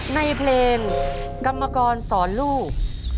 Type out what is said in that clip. ในเพลงกรรมกรสอนลูก